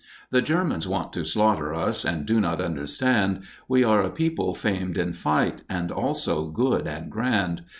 The Germans want to slaughter us, and do not understand We are a people famed in fight, and also good and grand.